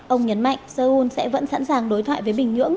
ông nhấn mạnh seoul sẽ vẫn sẵn sàng đối thoại với bình nhưỡng